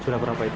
juara berapa itu